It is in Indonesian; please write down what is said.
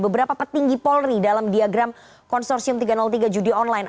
beberapa petinggi polri dalam diagram konsorsium tiga ratus tiga judi online